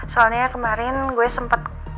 soalnya kemarin gue sempat ketemu